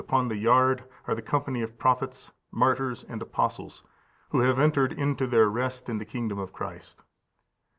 upon the yard are the company of prophets, martyrs, and apostles, who have entered into their rest in the kingdom of Christ.